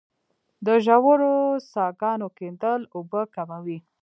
د ژورو څاګانو کیندل اوبه کموي